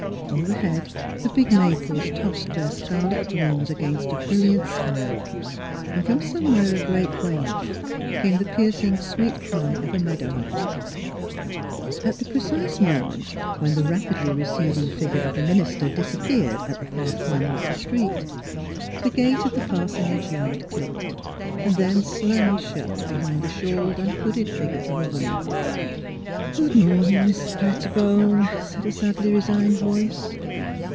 Overhead the big maples tossed their scarlet blooms against a brilliant sky, and from some where a great way off came the piercing sweet cry of a meadow lark. At the precise moment when the rapidly reced ing figure of the minister disappeared at the far corner of the street, the gate of the parsonage yard clicked, then slammed shut behind the shawled and hooded figure of a woman. '' Good mornin', Mis' Pettibone," said a sadly resigned voice.